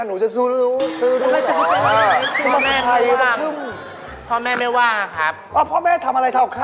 แล้วหนูจะซื้อดูเหรออ่ะรู้เหรอ